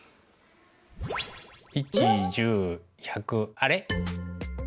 １１０１００あれ？